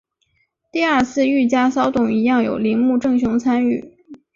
第二次御家骚动一样有铃木正雄参与。